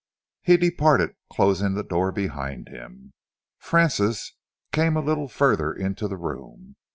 He departed, closing the door behind him. Francis came a little further into the room.